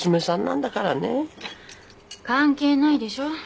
関係ないでしょ。